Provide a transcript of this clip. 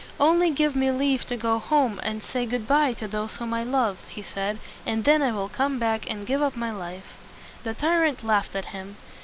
"Only give me leave to go home and say good by to those whom I love," he said, "and then I will come back and give up my life." The tyrant laughed at him.